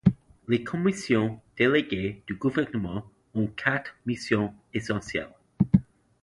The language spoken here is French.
Les commissions déléguées du gouvernement ont quatre missions essentielles.